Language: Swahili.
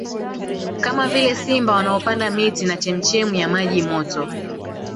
Kama vile simba wanaopanda miti na chemuchemu ya maji moto